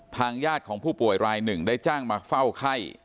ทางญาติของผู้ป่วยรายหนึ่งได้จ้างมาเฝ้าไข้